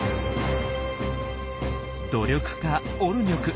努力家オルニョク。